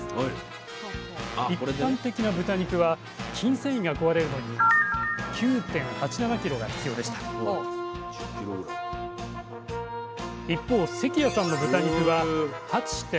一般的な豚肉は筋線維が壊れるのに９．８７ｋｇが必要でした一方関谷さんの豚肉は８．７７ｋｇ。